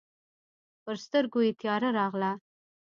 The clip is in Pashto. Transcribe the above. پر سترګو یې تياره راغله.